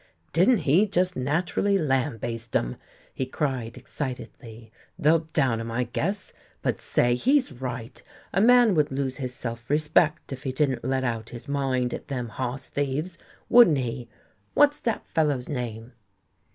"Didn't he just naturally lambaste 'em?" he cried excitedly. "They'll down him, I guess, but say, he's right. A man would lose his self respect if he didn't let out his mind at them hoss thieves, wouldn't he? What's that fellow's name?"